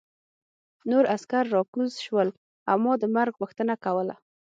نور عسکر راکوز شول او ما د مرګ غوښتنه کوله